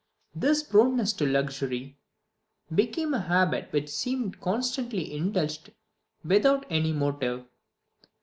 This proneness to luxury became a habit which seemed constantly indulged without any motive.